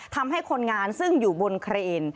ทำให้คนงานซึ่งอยู่บนเครน